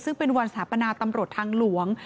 ซึ่งเป็นวันสถาปนาตำรวจทางหลวง